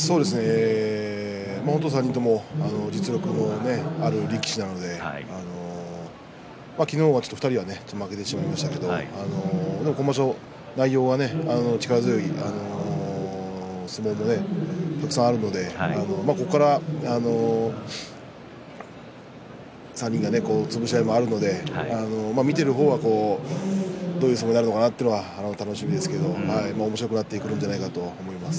３人とも実力はある力士なので昨日は、ちょっと２人は負けてしまいましたけれども今場所、内容は力強い相撲もたくさんあるので、ここから３人が潰し合いもあるので見ている方はどういう相撲になるのかなと楽しみですけれどもおもしろくなってくるんじゃないかなと思います。